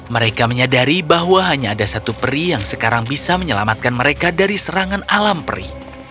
mereka menyadari bahwa hanya ada satu peri yang sekarang bisa menyelamatkan mereka dari serangan alam peri